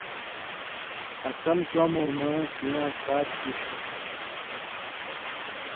آں سمکمؤں مہ سِواں ساتھ دی۔